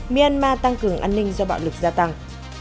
myanmar tăng cường an ninh do bạo lực gia tăng